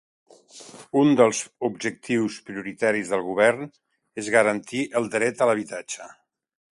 Un dels objectius prioritaris del Govern és garantir el dret a l'habitatge.